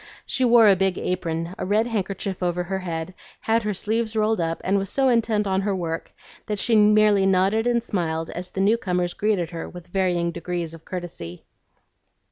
She wore a big apron, a red handkerchief over her head, had her sleeves rolled up, and was so intent on her work that she merely nodded and smiled as the new comers greeted her with varying degrees of courtesy.